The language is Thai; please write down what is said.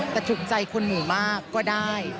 แต่ถูกใจคนหมู่มากก็ได้